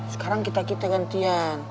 sekarang kita kita gantian